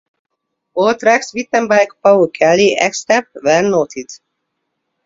All tracks written by Paul Kelly, except where noted.